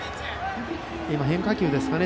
変化球ですかね。